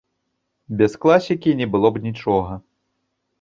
Без класікі не было б нічога.